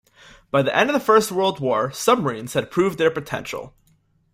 By the end of the First World War submarines had proved their potential.